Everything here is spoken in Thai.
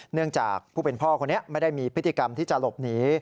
เนื่องจากผู้เป็นพ่อคนนี้ไม่ได้มีพฤติกรรมที่จะหลบหนี